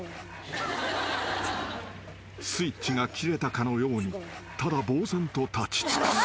［スイッチが切れたかのようにただぼう然と立ち尽くす］